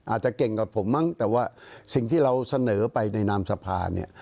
อาจจะเก่งกว่าผมมั้งแต่ว่าสิ่งที่เราเสนอไปในนามสภาเนี่ย